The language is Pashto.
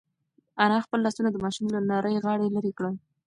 انا خپل لاسونه د ماشوم له نري غاړې لرې کړل.